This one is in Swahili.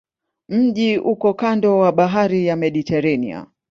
Mji uko kando ya bahari ya Mediteranea.